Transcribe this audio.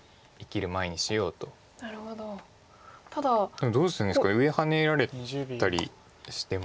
でもどうするんですか上ハネられたりしても。